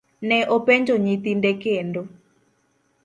ne openjo nyithinde kendo.